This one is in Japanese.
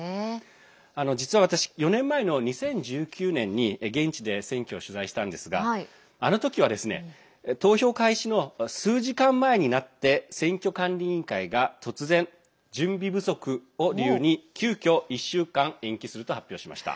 実は私、４年前の２０１９年に現地で選挙を取材したんですがあの時はですね投票開始の数時間前になって選挙管理委員会が突然準備不足を理由に急きょ１週間、延期すると発表しました。